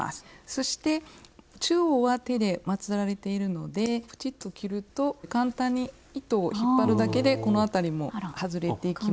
そして中央は手でまつられているのでプチっと切ると簡単に糸を引っ張るだけでこの辺りも外れていきます。